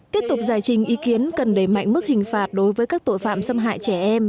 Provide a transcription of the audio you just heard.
tiếp tục giải trình ý kiến cần đẩy mạnh mức hình phạt đối với các tội phạm xâm hại trẻ em